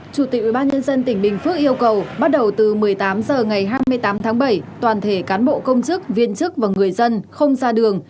chủ tịch ubnd tỉnh bình phước yêu cầu bắt đầu từ một mươi tám h ngày hai mươi tám tháng bảy toàn thể cán bộ công chức viên chức và người dân không ra đường